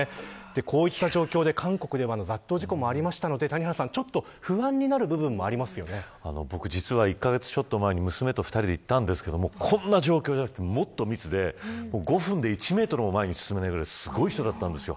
こういった状況で韓国では雑踏事故もありましたので谷原さん、ちょっと不安になる僕、実は１カ月ちょっと前に娘と２人で行きましたがこんな状況ではなくてもっと密で５分で１メートルも前に進めないぐらいすごい状況だったんです。